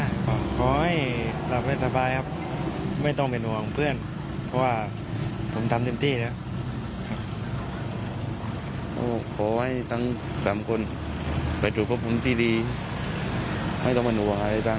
ให้เขารักและกินถึงจำนั้น